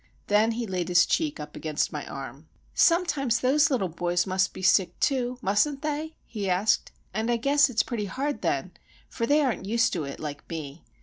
Then he laid his cheek up against my arm. "Sometimes those little boys must be sick, too, mustn't they?" he asked. "And I guess it's pretty hard then, for they aren't used to it like me.